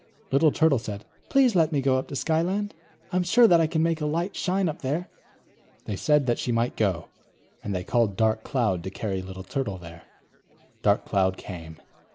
Little Turtle said: "Please let me go up to Skyland? I am sure that I can make a light shine up there." They said that she might go, and they called Dark Cloud to carry Little Turtle there. Dark Cloud came.